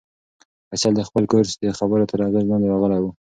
فیصل د خپل کورس د خبرو تر اغېز لاندې راغلی و.